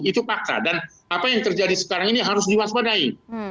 itu pakar dan apa yang terjadi sekarang ini harus diwaspadai